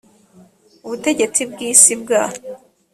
ubutegetsi bw isi bwa